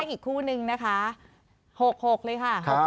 อีกคู่หนึ่งครับนะคะ๖๖๖เลยค่ะ